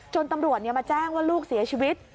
ตำรวจมาแจ้งว่าลูกเสียชีวิต